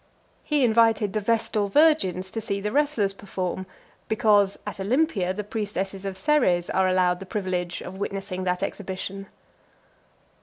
He invited the Vestal Virgins to see the (346) wrestlers perform, because, at Olympia, the priestesses of Ceres are allowed the privilege of witnessing that exhibition.